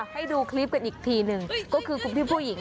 ให้ดูคลิปกันอีกทีหนึ่งก็คือคุณพี่ผู้หญิง